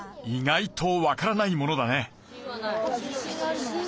意外とわからないものだね。